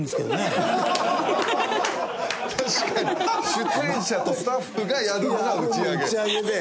出演者とスタッフがやるのが打ち上げ。